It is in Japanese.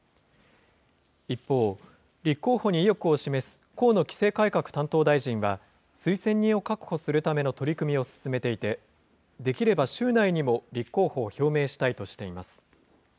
一方、立候補に意欲を示す河野規制改革担当大臣は、推薦人を確保するための取り組みを進めていて、できれば週内にも立候補を表明したいとしています。